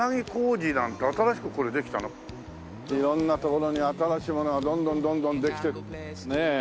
色んな所に新しいものがどんどんどんどんできてるね。